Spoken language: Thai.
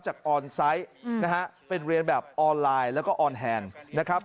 ออนไซต์นะฮะเป็นเรียนแบบออนไลน์แล้วก็ออนแฮนด์นะครับ